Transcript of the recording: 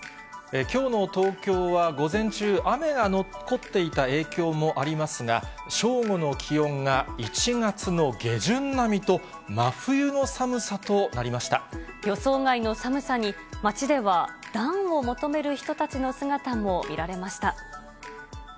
きょうの東京は午前中、雨が残っていた影響もありますが、正午の気温が１月の下旬並みと、予想外の寒さに、街では暖を求める人たちの姿も見られました。